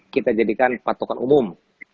kita jadikan patokan umum